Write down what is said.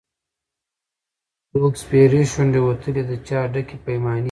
څوک سپېرې شونډي وتلي د چا ډکي پیمانې دي